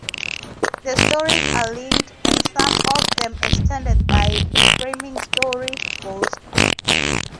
The stories are linked, and some of them extended, by a framing story, "Ghost".